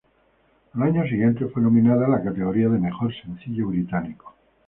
Al año siguiente fue nominada en la categoría de Mejor sencillo británico.